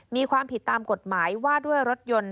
มีความผิดตามกฎหมายว่าด้วยรถยนต์